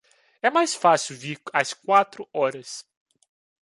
É mais fácil vir às quatro horas.